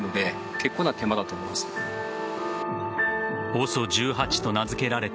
ＯＳＯ１８と名付けられた